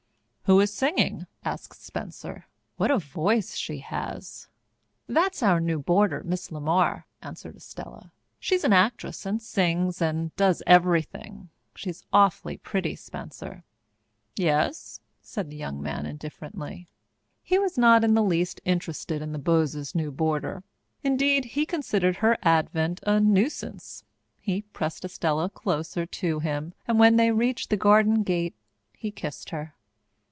"Who is singing?" asked Spencer. "What a voice she has!" "That's our new boarder, Miss LeMar," answered Estella. "She's an actress and sings and does everything. She is awfully pretty, Spencer." "Yes?" said the young man indifferently. He was not in the least interested in the Boweses' new boarder. Indeed, he considered her advent a nuisance. He pressed Estella closer to him, and when they reached the garden gate he kissed her.